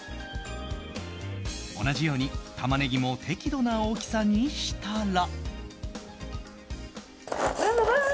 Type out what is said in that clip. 同じようにタマネギも適度な大きさにしたら。